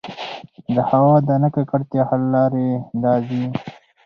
د هـوا د نـه ککـړتيا حـل لـارې دا دي: